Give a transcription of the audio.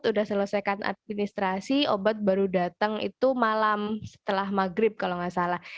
sudah selesaikan administrasi obat baru datang itu malam setelah maghrib kalau nggak salah